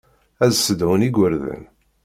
Ad ssedhun igerdan.